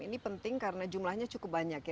ini penting karena jumlahnya cukup banyak ya